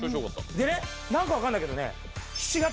でね何か分かんないけどね。